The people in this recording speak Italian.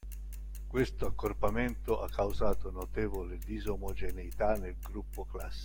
Questo accorpamento ha causato notevole disomogeneità nel gruppo classe